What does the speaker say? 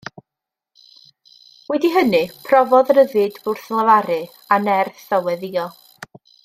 Wedi hynny profodd ryddid wrth lefaru a nerth o weddïo.